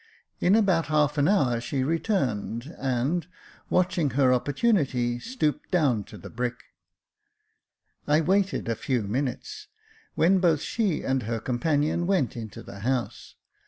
In about half an hour she returned, and, watching Jacob Faithful 327 her opportunity, stooped down to the brick. I waited a few minutes, when both she and her companion went into the house.